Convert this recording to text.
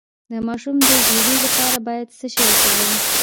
د ماشوم د ژیړي لپاره باید څه شی وکاروم؟